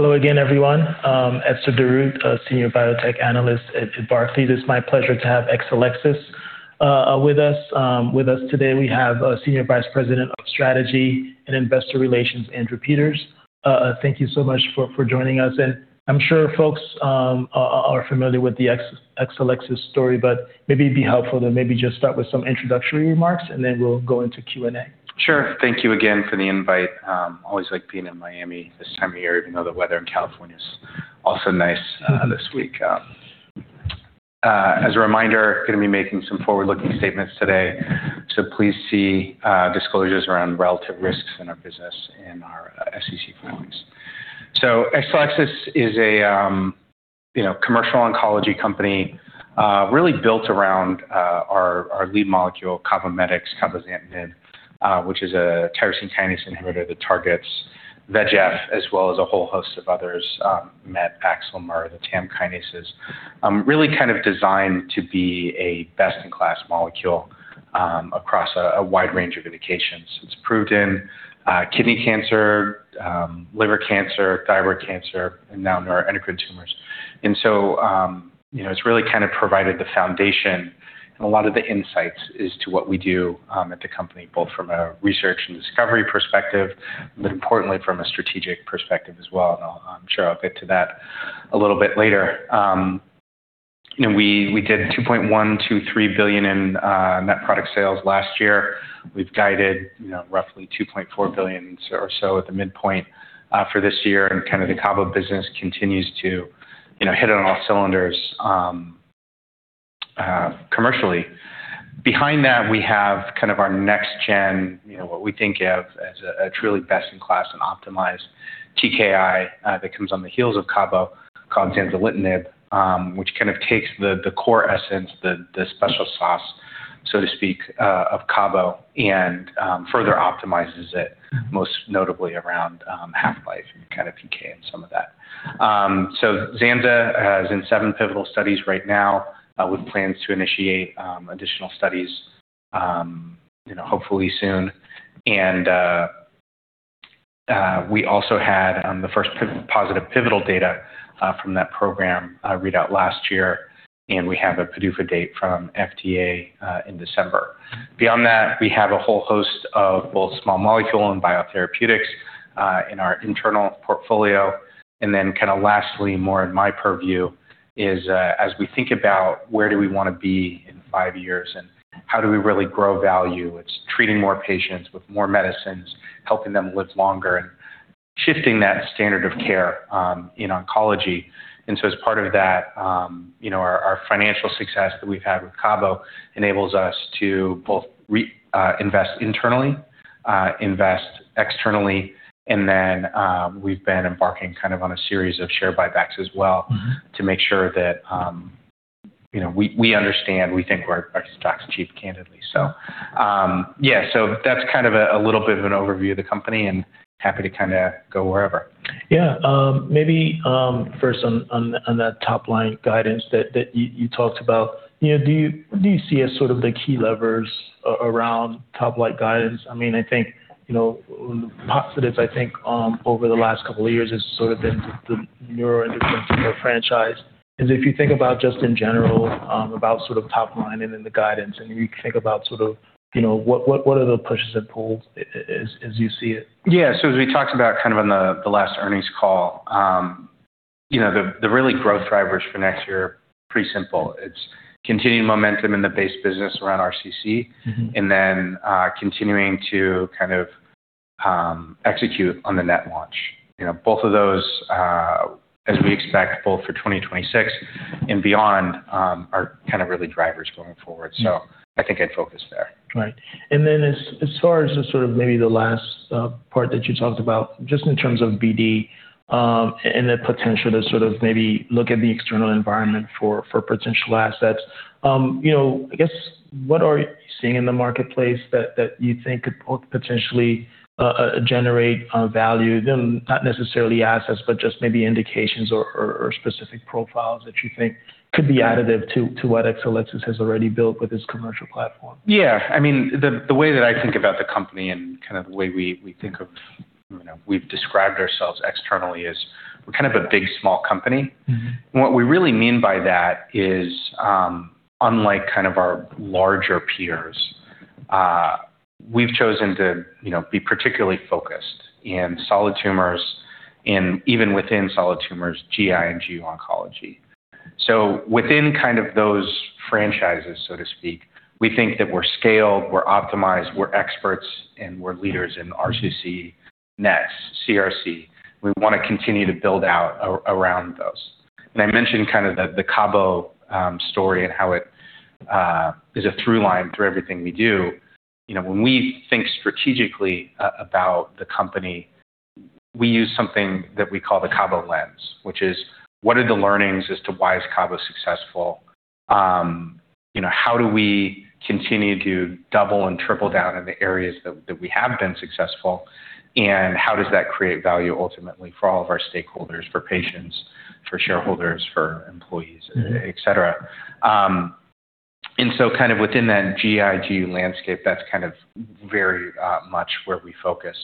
Hello again, everyone. Esther Dirut, a Senior Biotech Analyst at Barclays. It's my pleasure to have Exelixis with us. With us today, we have Senior Vice President of Strategy and Investor Relations, Andrew Peters. Thank you so much for joining us. I'm sure folks are familiar with the Exelixis story, but maybe it'd be helpful to maybe just start with some introductory remarks and then we'll go into Q&A. Sure. Thank you again for the invite. Always like being in Miami this time of year, even though the weather in California is also nice, this week. As a reminder, gonna be making some forward-looking statements today, so please see, disclosures around relative risks in our business in our, SEC filings. Exelixis is a, you know, commercial oncology company, really built around, our lead molecule CABOMETYX, cabozantinib, which is a tyrosine kinase inhibitor that targets VEGF, as well as a whole host of others, MET, AXL, MER, the TAM kinases. Really kind of designed to be a best-in-class molecule, across a wide range of indications. It's proved in, kidney cancer, liver cancer, thyroid cancer, and now neuroendocrine tumors. It's really kind of provided the foundation and a lot of the insights as to what we do at the company, both from a research and discovery perspective, but importantly from a strategic perspective as well. I'm sure I'll get to that a little bit later. You know, we did $2.123 billion in net product sales last year. We've guided you know, roughly $2.4 billion or so at the midpoint for this year. Kind of the CABO business continues to you know, hit on all cylinders commercially. Behind that, we have kind of our next-gen, you know, what we think of as a truly best-in-class and optimized TKI that comes on the heels of CABO called Zanzalintinib, which kind of takes the core essence, the special sauce, so to speak, of CABO and further optimizes it, most notably around half-life and kind of PK and some of that. Zanza is in seven pivotal studies right now with plans to initiate additional studies, you know, hopefully soon. We also had the first positive pivotal data from that program read out last year, and we have a PDUFA date from FDA in December. Beyond that, we have a whole host of both small molecule and biotherapeutics in our internal portfolio. Kinda lastly, more in my purview is, as we think about where do we wanna be in five years and how do we really grow value, it's treating more patients with more medicines, helping them live longer, and shifting that standard of care in oncology. As part of that, you know, our financial success that we've had with CABO enables us to both invest internally, invest externally, and then we've been embarking kind of on a series of share buybacks as well. To make sure that, you know, we understand we think our stock's cheap candidly. Yeah. That's kind of a little bit of an overview of the company and happy to kinda go wherever. Yeah. Maybe first on that top-line guidance that you talked about, you know, what do you see as sort of the key levers around top-line guidance? I mean, I think, you know, positives, I think, over the last couple of years has sort of been the neuroendocrine tumor franchise. If you think about just in general, about sort of top line and then the guidance, and you think about sort of, you know, what are the pushes and pulls as you see it? Yeah. As we talked about kind of on the last earnings call, you know, the real growth drivers for next year, pretty simple. It's continued momentum in the base business around RCC- Continuing to kind of execute on the NET launch. You know, both of those, as we expect both for 2026 and beyond, are kind of really drivers going forward. I think I'd focus there. Right. As far as the sort of maybe the last part that you talked about, just in terms of BD, and the potential to sort of maybe look at the external environment for potential assets, you know, I guess what are you seeing in the marketplace that you think could potentially generate value? Not necessarily assets, but just maybe indications or specific profiles that you think could be additive to what Exelixis has already built with its commercial platform? Yeah. I mean, the way that I think about the company and kind of the way we think of, you know, we've described ourselves externally as we're kind of a big small company. Hmm. What we really mean by that is, unlike kind of our larger peers, we've chosen to, you know, be particularly focused in solid tumors and even within solid tumors, GI and GU oncology. Within kind of those franchises, so to speak, we think that we're scaled, we're optimized, we're experts, and we're leaders in RCC, NET, CRC. We wanna continue to build out around those. I mentioned kind of the CABOMETYX story and how it is a through line through everything we do. When we think strategically about the company, we use something that we call the Cabo lens, which is what are the learnings as to why is CABOMETYX successful? You know, how do we continue to double and triple down in the areas that we have been successful, and how does that create value ultimately for all of our stakeholders, for patients, for shareholders, for employees, et cetera? Kind of within that GI/GU landscape, that's kind of very much where we focus.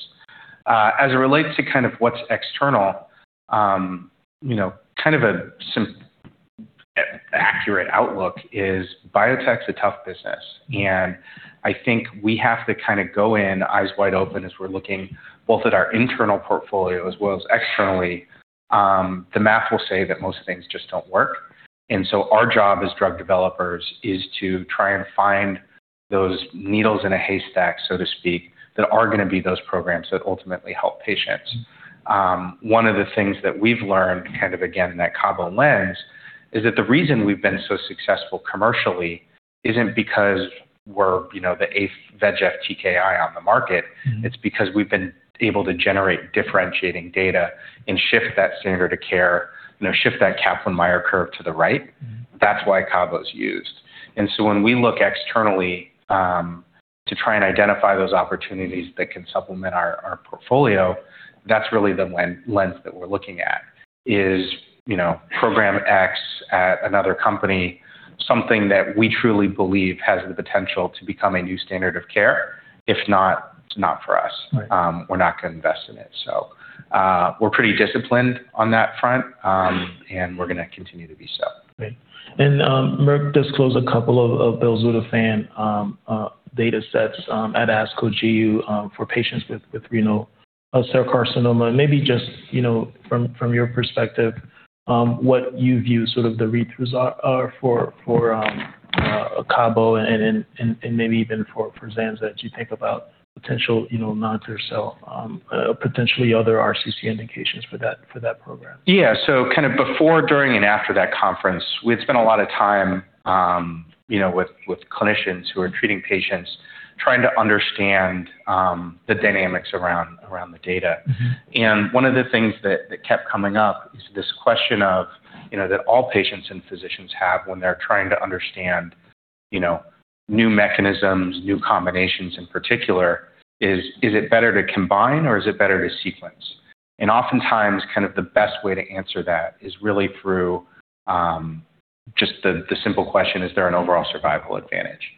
As it relates to kind of what's external, you know, kind of a simple accurate outlook is biotech's a tough business, and I think we have to kinda go in eyes wide open as we're looking both at our internal portfolio as well as externally. The math will say that most things just don't work, and so our job as drug developers is to try and find those needles in a haystack, so to speak, that are gonna be those programs that ultimately help patients. One of the things that we've learned, kind of again in that Cabo lens, is that the reason we've been so successful commercially isn't because we're, you know, the eighth VEGF TKI on the market. Hmm. It's because we've been able to generate differentiating data and shift that standard of care, you know, shift that Kaplan-Meier curve to the right. Hmm. That's why CABOMETYX is used. When we look externally, to try and identify those opportunities that can supplement our portfolio, that's really the Cabo lens that we're looking at, is, you know, program X at another company something that we truly believe has the potential to become a new standard of care? If not, it's not for us. Right. We're not gonna invest in it. We're pretty disciplined on that front, and we're gonna continue to be so. Great. Merck disclosed a couple of belzutifan data sets at ASCO GU for patients with renal cell carcinoma. Maybe just, you know, from your perspective, what you view sort of the read-throughs are for CABO and maybe even for Zanzalintinib as you think about potential, you know, non-clear cell potentially other RCC indications for that program? Yeah. Kind of before, during, and after that conference, we had spent a lot of time, you know, with clinicians who are treating patients trying to understand the dynamics around the data. Hmm. One of the things that kept coming up is this question of, you know, that all patients and physicians have when they're trying to understand, you know, new mechanisms, new combinations in particular: is it better to combine or is it better to sequence? Oftentimes, kind of the best way to answer that is really through just the simple question, is there an overall survival advantage?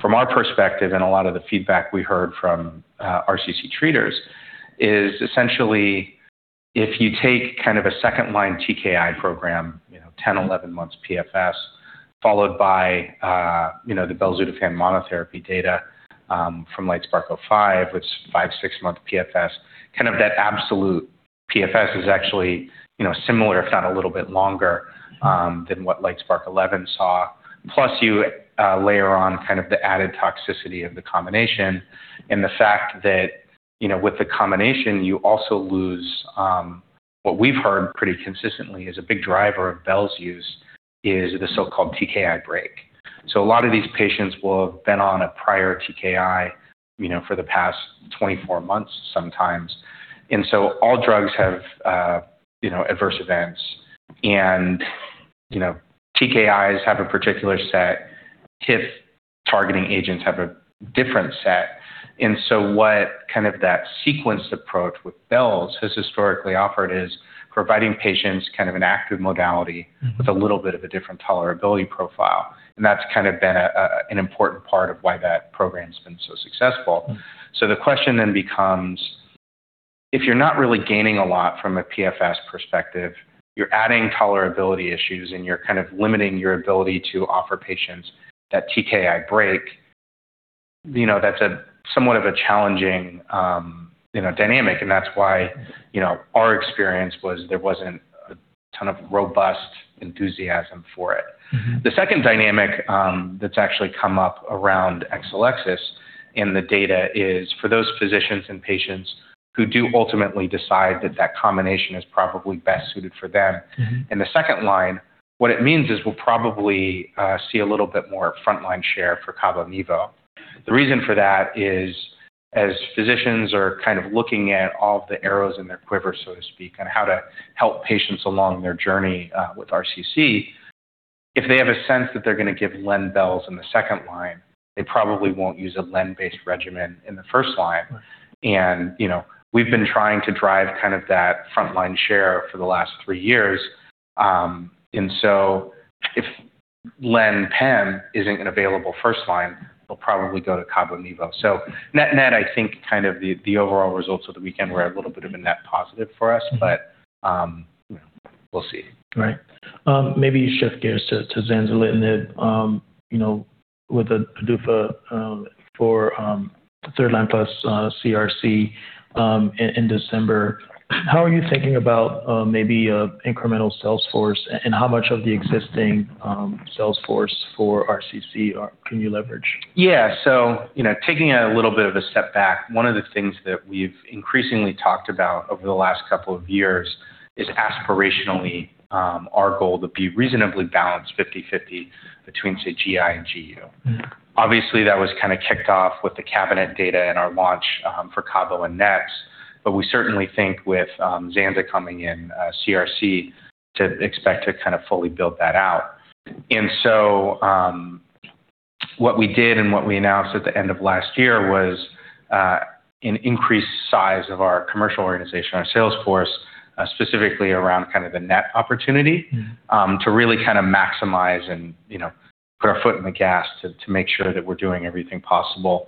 From our perspective and a lot of the feedback we heard from RCC treaters is essentially if you take kind of a second-line TKI program, you know, 10-11 months PFS followed by, you know, the belzutifan monotherapy data from LITESPARK-005, which is 5-6 month PFS, kind of that absolute PFS is actually, you know, similar if not a little bit longer than what LITESPARK-011 saw. Plus you layer on kind of the added toxicity of the combination and the fact that, you know, with the combination you also lose. What we've heard pretty consistently is a big driver of bel's use is the so-called TKI break. A lot of these patients will have been on a prior TKI, you know, for the past 24 months sometimes. All drugs have, you know, adverse events and, you know, TKIs have a particular set, HIF-targeting agents have a different set. What kind of that sequence approach with bel's has historically offered is providing patients kind of an active modality. Hmm. With a little bit of a different tolerability profile, and that's kind of been an important part of why that program's been so successful. Mm-hmm. The question then becomes, if you're not really gaining a lot from a PFS perspective, you're adding tolerability issues, and you're kind of limiting your ability to offer patients that TKI break, you know, that's somewhat of a challenging, you know, dynamic, and that's why, you know, our experience was there wasn't a ton of robust enthusiasm for it. Mm-hmm. The second dynamic, that's actually come up around Exelixis in the data is for those physicians and patients who do ultimately decide that that combination is probably best suited for them. Mm-hmm. In the second line, what it means is we'll probably see a little bit more frontline share for CABOMETYX. The reason for that is, as physicians are kind of looking at all of the arrows in their quiver, so to speak, on how to help patients along their journey with RCC, if they have a sense that they're gonna give len/bel in the second line, they probably won't use a len-based regimen in the first line. Right. You know, we've been trying to drive kind of that frontline share for the last three years. If len/pem isn't an available first line, we'll probably go to CABOMETYX. Net-net, I think kind of the overall results of the weekend were a little bit of a net positive for us. Mm-hmm We'll see. Right. Maybe shift gears to Zanzalintinib. You know, with a PDUFA for the third line plus CRC in December. How are you thinking about maybe a incremental sales force and how much of the existing sales force for RCC can you leverage? Yeah. You know, taking a little bit of a step back, one of the things that we've increasingly talked about over the last couple of years is aspirationally our goal to be reasonably balanced 50/50 between, say, GI and GU. Mm-hmm. Obviously, that was kinda kicked off with the CABINET data and our launch for CABOMETYX and NET, but we certainly think with Zanzalintinib coming in for CRC to expect to kind of fully build that out. What we did and what we announced at the end of last year was an increased size of our commercial organization, our sales force, specifically around kind of the NET opportunity, to really kind of maximize and, you know, put our foot in the gas to make sure that we're doing everything possible,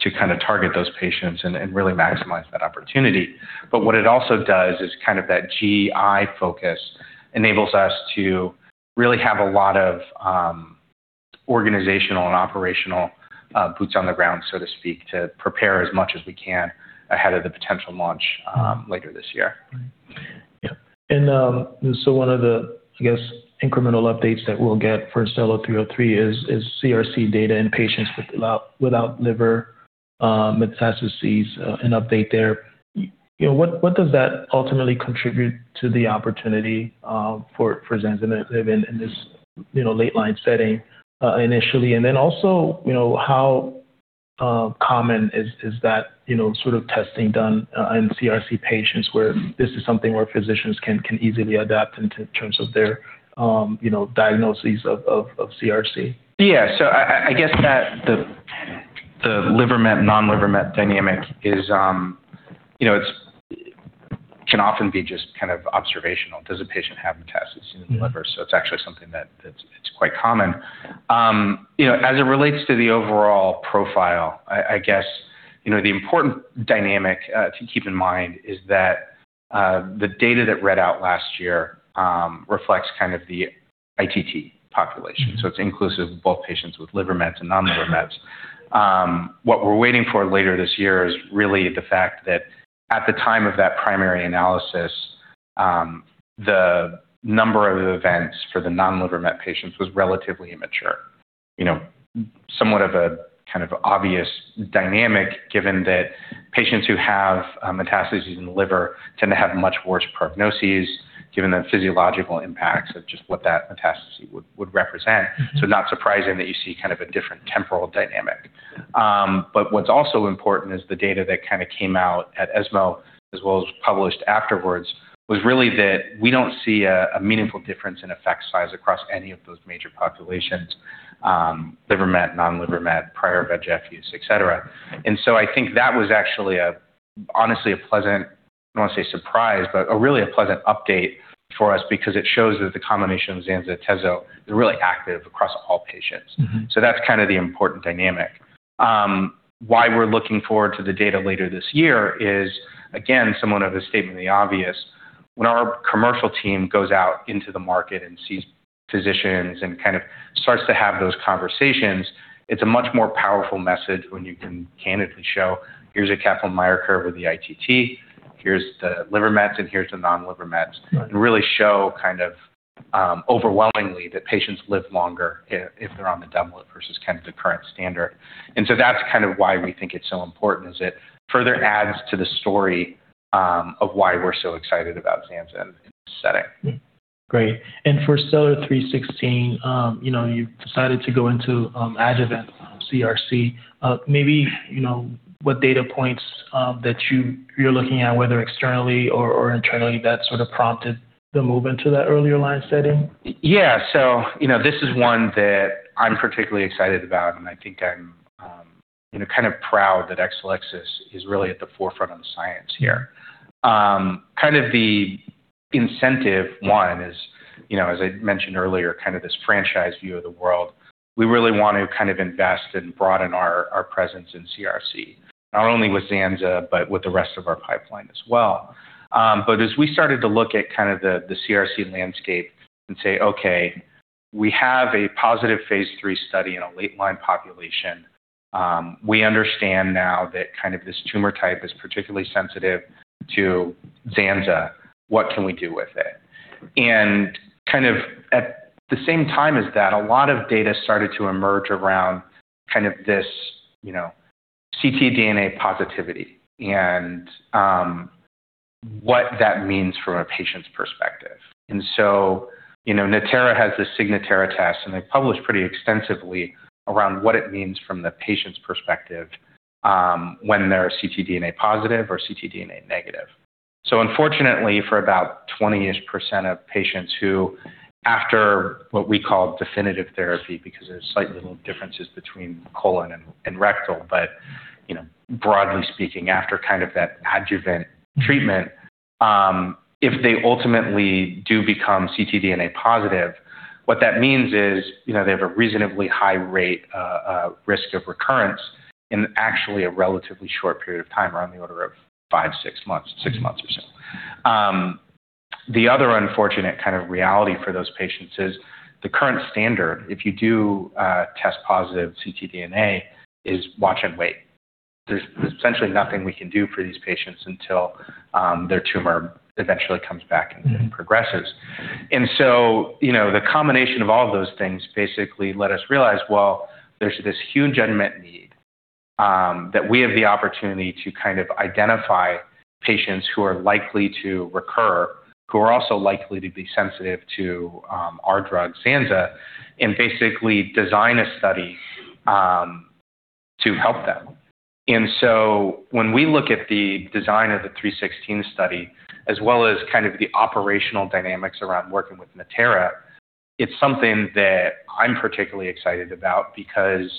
to kind of target those patients and really maximize that opportunity. What it also does is kind of that GI focus enables us to really have a lot of, organizational and operational, boots on the ground, so to speak, to prepare as much as we can ahead of the potential launch, later this year. Yeah. One of the, I guess, incremental updates that we'll get for STELLAR-303 is CRC data in patients without liver metastases, and update there. You know, what does that ultimately contribute to the opportunity for Zanzalintinib in this, you know, late line setting, initially? You know, how common is that, you know, sort of testing done in CRC patients where this is something where physicians can easily adapt in terms of their, you know, diagnoses of CRC? I guess that the liver met, non-liver met dynamic is, you know, can often be just kind of observational. Does a patient have metastases in the liver? It's actually something that's quite common. You know, as it relates to the overall profile, I guess, you know, the important dynamic to keep in mind is that the data that read out last year reflects kind of the ITT population. It's inclusive of both patients with liver mets and non-liver mets. What we're waiting for later this year is really the fact that at the time of that primary analysis, the number of events for the non-liver met patients was relatively immature. You know, somewhat of a kind of obvious dynamic given that patients who have metastases in the liver tend to have much worse prognoses given the physiological impacts of just what that metastasis would represent. Not surprising that you see kind of a different temporal dynamic. What's also important is the data that kind of came out at ESMO, as well as published afterwards, was really that we don't see a meaningful difference in effect size across any of those major populations, liver met, non-liver met, prior VEGF use, etc. I think that was actually honestly a pleasant, I don't want to say surprise, but a really pleasant update for us because it shows that the combination of Zanzalintinib and Tecentriq, they're really active across all patients. Mm-hmm. That's kind of the important dynamic. Why we're looking forward to the data later this year is, again, somewhat of a statement of the obvious. When our commercial team goes out into the market and sees physicians and kind of starts to have those conversations, it's a much more powerful message when you can candidly show, here's a Kaplan-Meier curve with the ITT, here's the liver mets, and here's the non-liver mets. Right. Really show kind of overwhelmingly that patients live longer if they're on the doublet versus kind of the current standard. That's kind of why we think it's so important as it further adds to the story of why we're so excited about Zanzalintinib in this setting. Great. For STELLAR-316, you know, you decided to go into adjuvant CRC. Maybe, you know, what data points that you're looking at, whether externally or internally, that sort of prompted the move into that earlier line setting? Yeah. You know, this is one that I'm particularly excited about, and I think I'm, you know, kind of proud that Exelixis is really at the forefront of the science here. Kind of the incentive one is, you know, as I mentioned earlier, kind of this franchise view of the world. We really want to kind of invest and broaden our presence in CRC, not only with Zanza, but with the rest of our pipeline as well. As we started to look at kind of the CRC landscape and say, "Okay, we have a positive phase 3 study in a late line population. We understand now that kind of this tumor type is particularly sensitive to Zanza. What can we do with it?" Kind of at the same time as that, a lot of data started to emerge around kind of this, you know, ctDNA positivity and what that means from a patient's perspective. You know, Natera has this Signatera test, and they published pretty extensively around what it means from the patient's perspective, when they're ctDNA positive or ctDNA negative. Unfortunately, for about 20-ish% of patients who after what we call definitive therapy because there's slight little differences between colon and rectal, but you know, broadly speaking, after kind of that adjuvant treatment, if they ultimately do become ctDNA positive, what that means is, you know, they have a reasonably high rate, risk of recurrence in actually a relatively short period of time, around the order of five, six months, six months or so. The other unfortunate kind of reality for those patients is the current standard, if you do test positive ctDNA, is watch and wait. There's essentially nothing we can do for these patients until their tumor eventually comes back and progresses. You know, the combination of all of those things basically let us realize, well, there's this huge unmet need that we have the opportunity to kind of identify patients who are likely to recur, who are also likely to be sensitive to our drug Zanza, and basically design a study to help them. When we look at the design of the 316 study, as well as kind of the operational dynamics around working with Natera. It's something that I'm particularly excited about because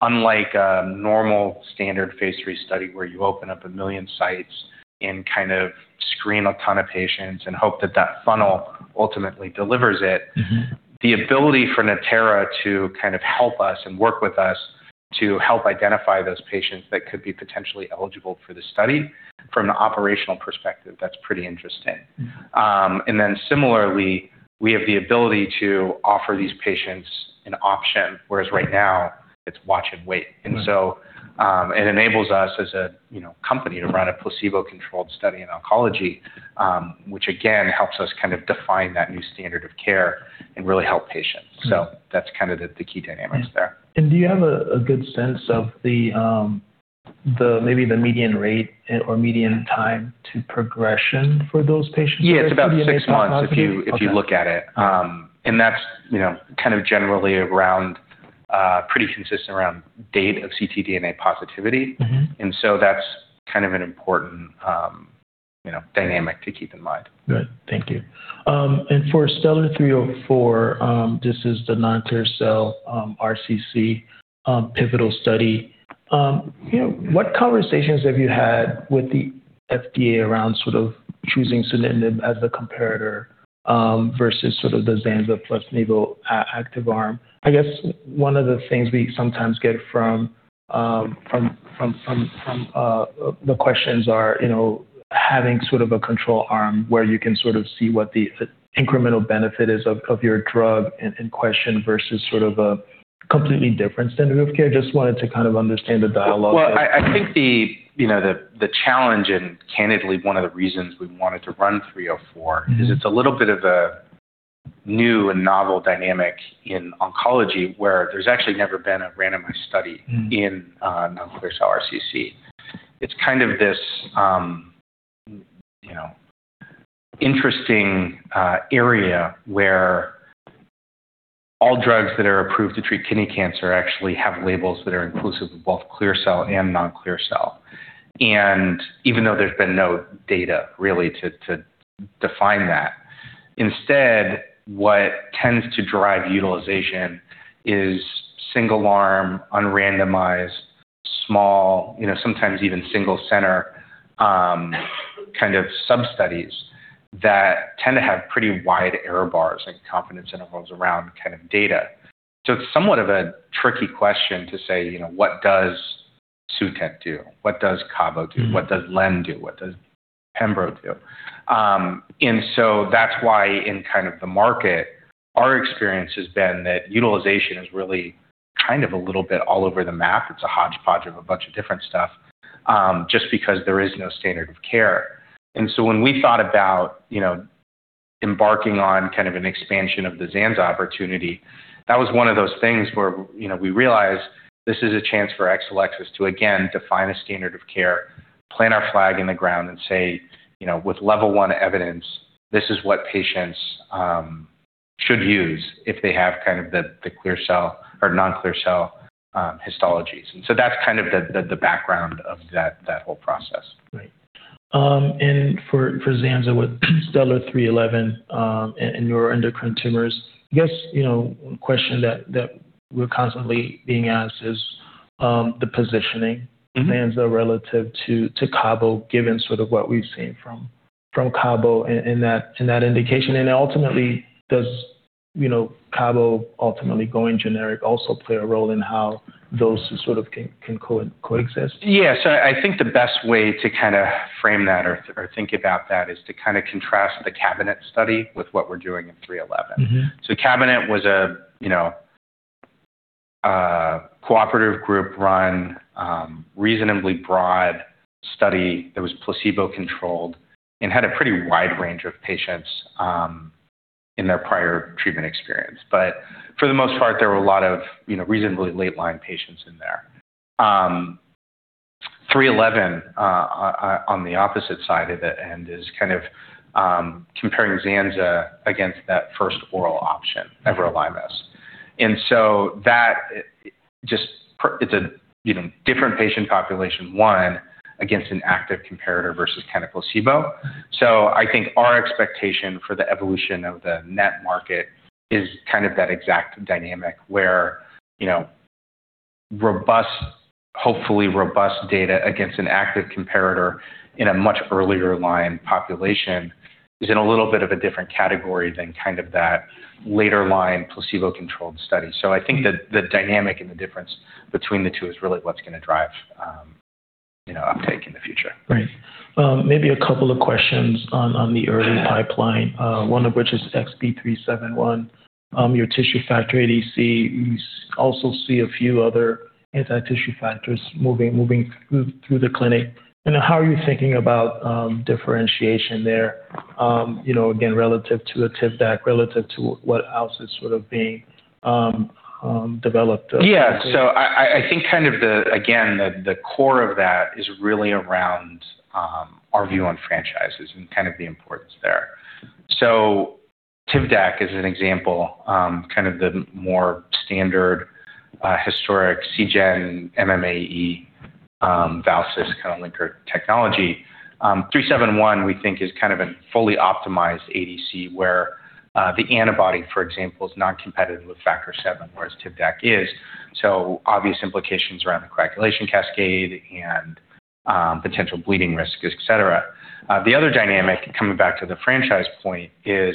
unlike a normal standard phase III study where you open up 1 million sites and kind of screen a ton of patients and hope that that funnel ultimately delivers it. Mm-hmm. The ability for Natera to kind of help us and work with us to help identify those patients that could be potentially eligible for the study from an operational perspective, that's pretty interesting. Similarly, we have the ability to offer these patients an option, whereas right now it's watch and wait. Mm-hmm. It enables us as a you know, company to run a placebo-controlled study in oncology, which again helps us kind of define that new standard of care and really help patients. Mm-hmm. That's kind of the key dynamics there. Do you have a good sense of the, maybe, the median rate or median time to progression for those patients? Yeah, it's about six months if you look at it. Okay. That's, you know, kind of generally around pretty consistent around date of ctDNA positivity. Mm-hmm. That's kind of an important, you know, dynamic to keep in mind. Good. Thank you. For STELLAR-304, this is the non-clear cell RCC pivotal study. You know, what conversations have you had with the FDA around sort of choosing sunitinib as the comparator versus sort of the Zanza plus nivo atezo active arm? I guess one of the things we sometimes get from the questions are, you know, having sort of a control arm where you can sort of see what the incremental benefit is of your drug in question versus sort of a completely different standard of care. Just wanted to kind of understand the dialogue there. Well, I think you know, the challenge and candidly one of the reasons we wanted to run three oh four. Mm-hmm. It's a little bit of a new and novel dynamic in oncology where there's actually never been a randomized study. Mm. In non-clear cell RCC. It's kind of this, you know, interesting area where all drugs that are approved to treat kidney cancer actually have labels that are inclusive of both clear cell and non-clear cell. Even though there's been no data really to define that, instead, what tends to drive utilization is single arm, unrandomized, small, you know, sometimes even single center kind of sub-studies that tend to have pretty wide error bars and confidence intervals around kind of data. It's somewhat of a tricky question to say, you know, what does Sutent do? What does Cabo do? Mm-hmm. What does lenvatinib do? What does pembrolizumab do? That's why in kind of the market, our experience has been that utilization is really kind of a little bit all over the map. It's a hodgepodge of a bunch of different stuff, just because there is no standard of care. When we thought about, you know, embarking on kind of an expansion of the Zanzalintinib opportunity, that was one of those things where, you know, we realized this is a chance for Exelixis to again define a standard of care, plant our flag in the ground and say, you know, with level one evidence, this is what patients should use if they have kind of the clear cell or non-clear cell histologies. That's kind of the background of that whole process. Right. For Zanzalintinib with STELLAR-311 and neuroendocrine tumors, I guess, you know, a question that we're constantly being asked is the positioning. Mm-hmm. Zanzalintinib relative to Cabo given sort of what we've seen from Cabo in that indication. Ultimately does, you know, Cabo ultimately going generic also play a role in how those sort of can co-exist? Yeah. I think the best way to kinda frame that or think about that is to kind of contrast the CABINET study with what we're doing in STELLAR-311. Mm-hmm. CABINET was a, you know, a cooperative group run reasonably broad study that was placebo-controlled and had a pretty wide range of patients in their prior treatment experience. For the most part, there were a lot of, you know, reasonably late-line patients in there. 311 on the opposite side of it and is kind of comparing Zanzalintinib against that first oral option, everolimus. That just, it's a, you know, different patient population one against an active comparator versus placebo. I think our expectation for the evolution of the NET market is kind of that exact dynamic where, you know, hopefully robust data against an active comparator in a much earlier line population is in a little bit of a different category than kind of that later line placebo-controlled study. I think the dynamic and the difference between the two is really what's gonna drive, you know, uptake in the future. Right. Maybe a couple of questions on the early pipeline, one of which is XB002, your tissue factor ADC. We also see a few other anti-tissue factors moving through the clinic. How are you thinking about differentiation there, you know, again, relative to a Tivdak, relative to what else is sort of being developed? Yeah. I think kind of the again, the core of that is really around our view on franchises and kind of the importance there. Tivdak is an example, kind of the more standard historic cysteine-conjugated MMAE val-cit kind of linker technology. 371 we think is kind of a fully optimized ADC where the antibody, for example, is non-competitive with Factor VII, whereas Tivdak is, so obvious implications around the coagulation cascade and potential bleeding risk, et cetera. The other dynamic, coming back to the franchise point, is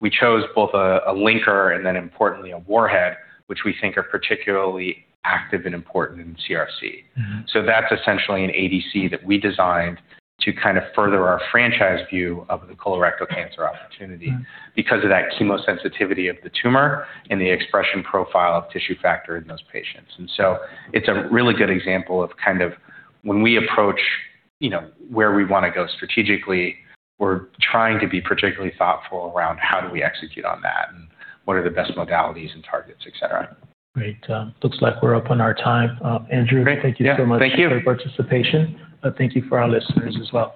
we chose both a linker and then importantly a warhead, which we think are particularly active and important in CRC. Mm-hmm. That's essentially an ADC that we designed to kind of further our franchise view of the colorectal cancer opportunity. Mm. Because of that chemosensitivity of the tumor and the expression profile of tissue factor in those patients. It's a really good example of kind of when we approach, you know, where we wanna go strategically, we're trying to be particularly thoughtful around how do we execute on that, and what are the best modalities and targets, et cetera. Great. Looks like we're up on our time. Andrew- Great. Yeah. Thank you. Thank you so much for your participation. Thank you for our listeners as well.